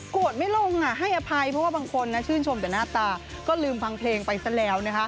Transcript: วดไม่ลงให้อภัยเพราะว่าบางคนชื่นชมแต่หน้าตาก็ลืมฟังเพลงไปซะแล้วนะคะ